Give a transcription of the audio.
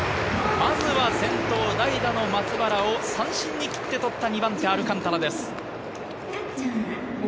まずは先頭、代打の松原を三振にとって切った２番手・アルカンタラです。